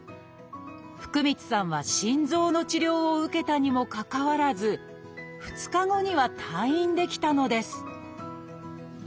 福満さんは心臓の治療を受けたにもかかわらず２日後には退院できたのです